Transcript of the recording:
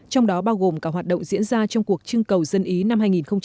trong đó bao gồm cả hoạt động diễn ra trong cuộc trưng cầu dân ý năm hai nghìn một mươi chín